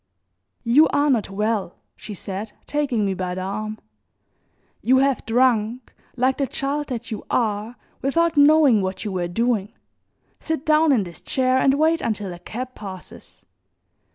"You are not well," she said, taking me by the arm, "you have drunk, like the child that you are, without knowing what you were doing. Sit down in this chair and wait until a cab passes.